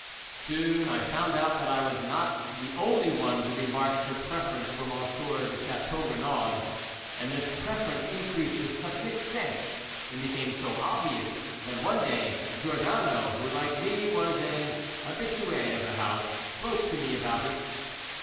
"Soon I found out that I was not the only one who remarked her preference for M. de Chateau Renaud, and this preference increased to such an extent and became so obvious that one day Giordano, who like me was an habitué of the house, spoke to me about it.